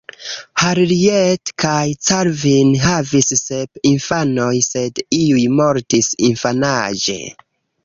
Harriet kaj Calvin havis sep infanojn, sed iuj mortis infanaĝe.